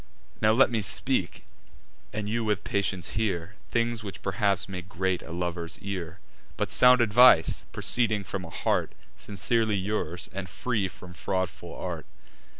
Now let me speak, and you with patience hear, Things which perhaps may grate a lover's ear, But sound advice, proceeding from a heart Sincerely yours, and free from fraudful art.